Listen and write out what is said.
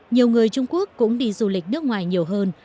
nhiều người trung quốc cũng đi du lịch nước ngoài nhiều hơn